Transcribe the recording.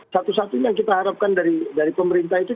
satu satunya yang kita harapkan dari pemerintah itu